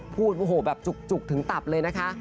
พูดโอ้โหแบบจุกถึงตับเลยนะคะ